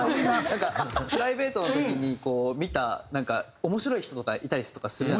なんかプライベートの時に見た面白い人とかいたりとかするじゃないですか。